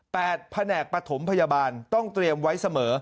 แผนกปฐมพยาบาลต้องเตรียมไว้เสมอ